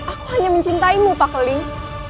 aku hanya mencintaimu pak keling